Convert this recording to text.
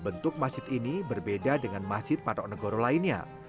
bentuk masjid ini berbeda dengan masjid patok negoro lainnya